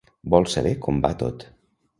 Vol saber com va tot.